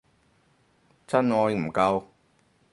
真愛唔夠